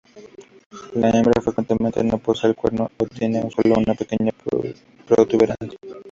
La hembra, frecuentemente, no posee el cuerno o tiene solo una pequeña protuberancia.